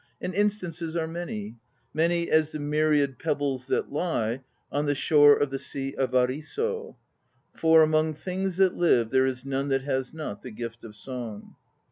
And instances are many; Many as the myriad pebbles that lie On the shore of the sea of Ariso. "For among things that live There is none that has not the gift of song."